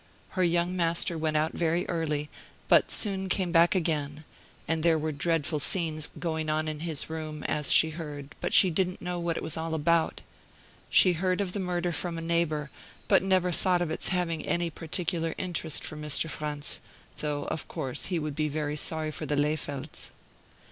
Her young master went out very early, but soon came back again; and there were dreadful scenes going on in his room, as she heard, but she didn't know what it was all about. She heard of the murder from a neighbor, but never thought of its having any particular interest for Mr. Franz, though, of course, he would be very sorry for the Lehfeldts.